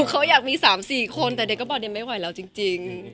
เขาอยากมี๓๔คนแต่เด็กก็บอกเด็กไม่ไหวแล้วจริง